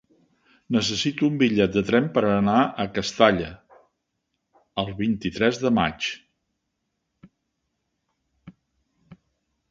Necessito un bitllet de tren per anar a Castalla el vint-i-tres de maig.